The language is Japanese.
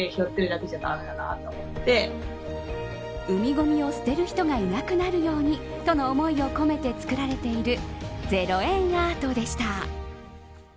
海ごみを捨てる人がいなくなるようにとの思いを込めて作られている０円アートでした。